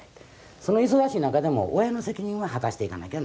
その忙しい中でも親の責任は果たしていかなきゃならない。